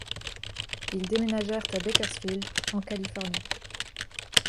Ils déménagèrent à Bakersfield, en Californie.